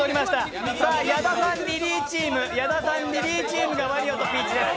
矢田さん・リリーチームがワリオとピーチです。